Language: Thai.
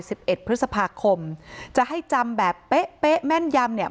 เอ็ดพฤษภาคมจะให้จำแบบเป๊ะเป๊ะแม่นยำเนี่ย